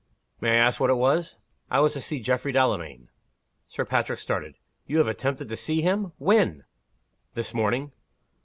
"May I ask what it was?" "It was to see Geoffrey Delamayn." Sir Patrick started. "You have attempted to see him! When?" "This morning."